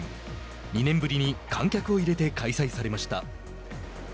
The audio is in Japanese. ２年ぶりに観客を入れて開催されました。